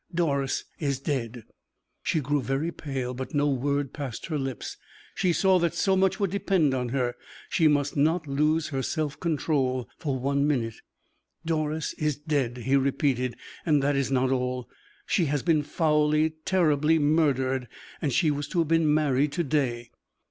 "Doris is dead!" She grew very pale, but no word passed her lips; she saw that so much would depend on her; she must not lose her self control for one minute. "Doris is dead!" he repeated; "and that is not all she has been foully, terribly murdered! and she was to have been married to day!"